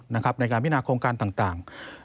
ในการพินาโครงการต่าง